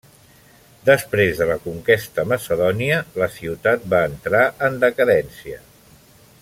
Després de la conquesta macedònia la ciutat va entrar en decadència.